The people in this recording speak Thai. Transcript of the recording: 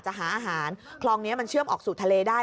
อาหารคลองนี้มันเชื่อมออกสู่ทะเลได้